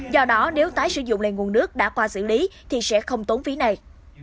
do đó nếu tái sử dụng lên nguồn nước đã qua xử lý thì sẽ không tốn phí này